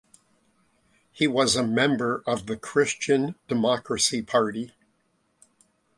He was member of the Christian Democracy Party.